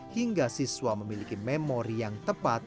hingga siswa memiliki memori yang tepat